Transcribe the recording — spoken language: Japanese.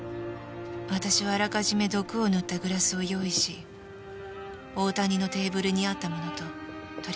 私はあらかじめ毒を塗ったグラスを用意し大谷のテーブルにあったものと取り換えたんです。